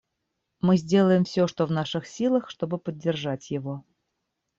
Мы сделаем все, что в наших силах, чтобы поддержать его.